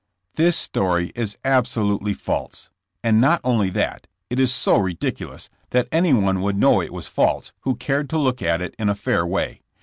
This story is absolutely false; and not only that, it is so ridiculous that any one would know it was false who cared to look at it in a fair way.